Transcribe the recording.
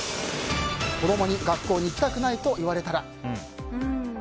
子供に「学校に行きたくない」と言われたら。